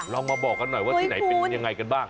มาบอกกันหน่อยว่าที่ไหนเป็นยังไงกันบ้าง